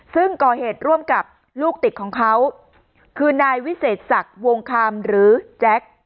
ซึ่งก่อเหตุร่วมกับลูกติดของเขาคือนายวิเศษศักดิ์วงคามหรือแจ็ค